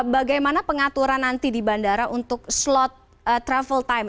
bagaimana pengaturan nanti di bandara untuk slot travel time